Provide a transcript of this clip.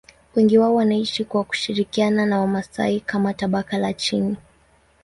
Wengi wao wanaishi kwa kushirikiana na Wamasai kama tabaka la chini.